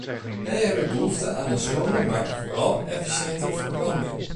Wij hebben behoefte aan een schone maar vooral efficiënte verbranding.